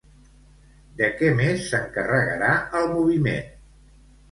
De què més s'encarregarà el moviment?